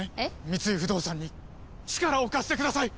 三井不動産に力を貸してください！